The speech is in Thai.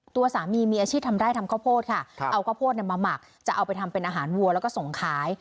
ตัวสามีมีอาชีพทำไร่ทำข้าวโพดค่ะเอาข้าวโพดมาหมักจะเอาไปทำเป็นอาหารวัวแล้วก็ส่งขาย